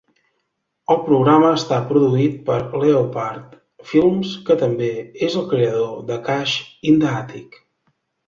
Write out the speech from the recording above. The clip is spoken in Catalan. El programa està produït per Leopard Films, que també és el creador de "Cash in the Attic".